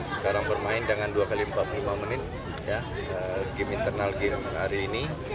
sekarang bermain dengan dua x empat puluh lima menit game internal game hari ini